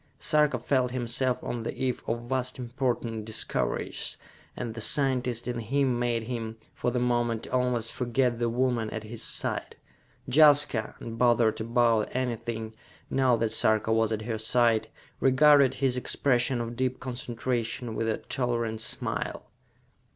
Sarka felt himself on the eve of vast important discoveries, and the scientist in him made him, for the moment, almost forget the woman at his side. Jaska, unbothered about anything, now that Sarka was at her side, regarded his expression of deep concentration with a tolerant smile.